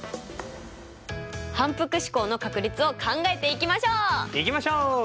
反復試行の確率を考えていきましょう！いきましょう！